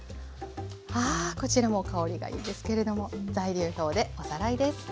こちらも香りがいいですけれども材料表でおさらいです。